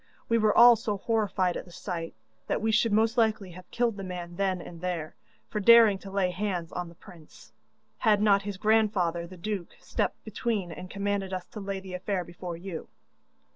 We were all so horrified at the sight, that we should most likely have killed the man then and there, for daring to lay hands on the prince, had not his grandfather the duke stepped between and commanded us to lay the affair before you.